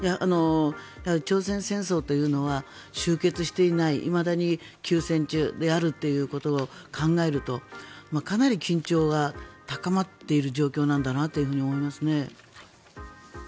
朝鮮戦争というのは終結していないいまだに休戦中であるということを考えるとかなり緊張が高まっている状況なんだなと思いますね。